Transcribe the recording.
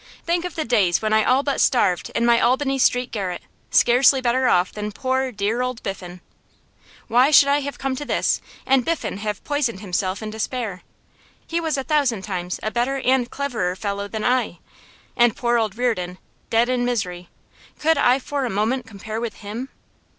Think of the days when I all but starved in my Albany Street garret, scarcely better off than poor, dear old Biffen! Why should I have come to this, and Biffen have poisoned himself in despair? He was a thousand times a better and cleverer fellow than I. And poor old Reardon, dead in misery! Could I for a moment compare with him?